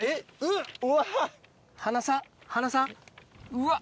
うわ。